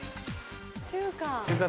中華。